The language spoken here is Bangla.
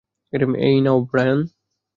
এই নাও, ব্রায়ান।